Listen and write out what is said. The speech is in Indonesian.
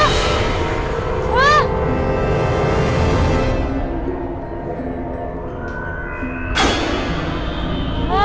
agak gak tahu